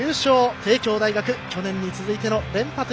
帝京大学去年に続いて連覇達成！